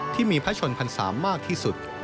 ที่มีพระชนพรรษามากที่สุด